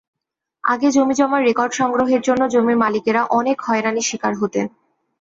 আগে জমিজমার রেকর্ড সংগ্রহের জন্য জমির মালিকেরা অনেক হয়রানির শিকার হতেন।